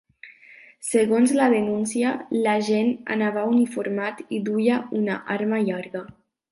Segons la denúncia, l’agent anava uniformat i duia una arma llarga.